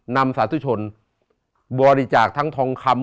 สาธุชนบริจาคทั้งทองคำ